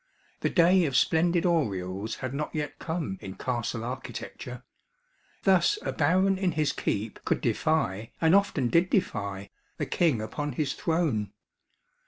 The day of splendid oriels had not yet come in castle architecture. Thus a baron in his keep could defy, and often did defy, the king upon his throne.